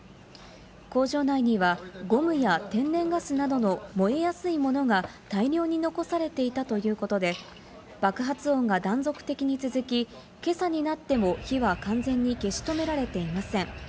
工場内には、ゴムや天然ガスなどの燃えやすいものが大量に残されていたということで爆発音が断続的に続き、今朝になっても火は完全に消し止められていません。